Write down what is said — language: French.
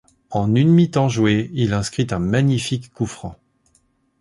En une mi-temps jouée, il inscrit un magnifique coup-franc.